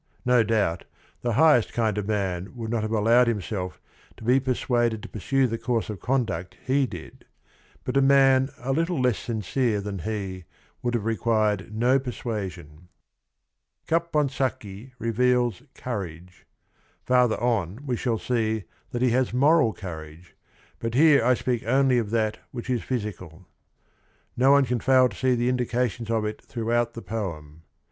No doubt the highest kind of man would not have allowed himself to be persuaded to pursue the course of conduct he did, but a man a little less sincere than he would have required no persuasion. Ca eonsacchi reveals coura ge. Farther on we shall see that he has moral courage, but here I speak only of that which is physical. No one can fail to see the indications of it throughout the poem.